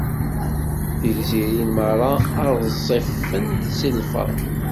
Tigzirin meṛṛa ad ẓẓifent si lferḥ.